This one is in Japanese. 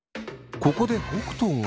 ここで北斗が。